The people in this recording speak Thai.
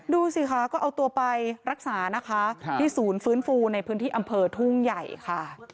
ดูสิคะก็เอาตัวไปรักษานะคะที่ศูนย์ฟื้นฟูในพื้นที่อำเภอทุ่งใหญ่ค่ะ